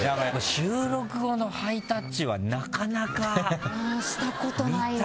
収録後のハイタッチはなかなか見たことない。